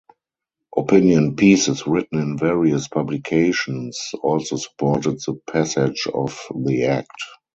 Opinion pieces written in various publications also supported the passage of the Act.